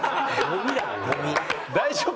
大丈夫？